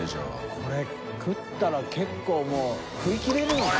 これ食ったら結構もう食いきれねぇもんな。